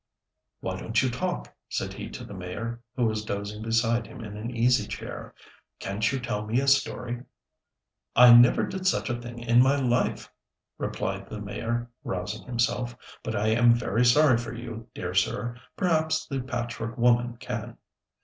"Why don't you talk?" said he to the Mayor, who was dozing beside him in an easy chair. "Can't you tell me a story?" "I never did such a thing in my life," replied the Mayor, rousing himself; "but I am very sorry for you, dear sir; perhaps the Patchwork Woman can."